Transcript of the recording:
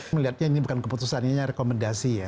melihatnya ini bukan keputusan ini rekomendasi ya